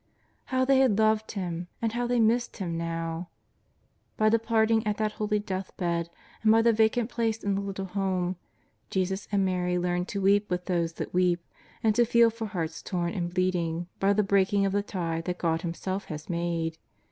How they had loved him and how they missed him now ! By the parting at that holy deathbed, and by the vacant place in the little home, Jesus and Mary learned to weep with those that weep, and to feel for hearts torn and bleeding by the breaking of the ties that God Himself has made.